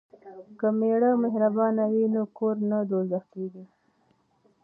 که میړه مهربان وي نو کور نه دوزخ کیږي.